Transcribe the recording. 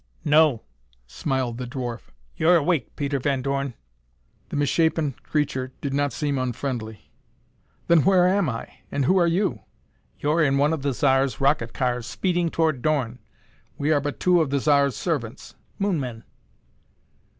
"No," smiled the dwarf, "you're awake, Peter Van Dorn." The misshapen creature did not seem unfriendly. "Then where am I, and who are you?" "You're in one of the Zar's rocket cars, speeding toward Dorn. We are but two of the Zar's servants Moon men."